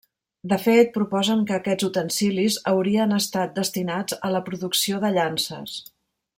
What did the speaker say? De fet, proposen que aquests utensilis haurien estat destinats a la producció de llances.